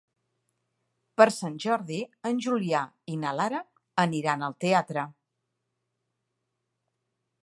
Per Sant Jordi en Julià i na Lara aniran al teatre.